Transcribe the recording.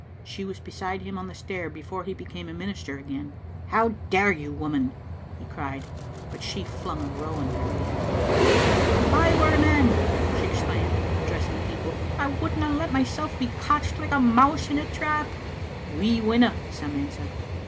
She was beside him on the stair before he became a minister again. " How dare you, woman?" he cried; but she flung a rowan berry at him. "If I were a man," she exclaimed, addressing the people, " I wouldna let myself be catched like a mouse in a trap." "We winna," some answered.